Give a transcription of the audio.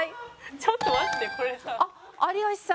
ちょっと待ってこれさ。